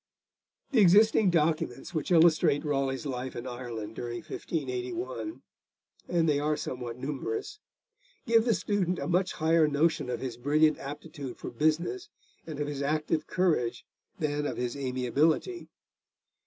The existing documents which illustrate Raleigh's life in Ireland during 1581, and they are somewhat numerous, give the student a much higher notion of his brilliant aptitude for business and of his active courage than of his amiability.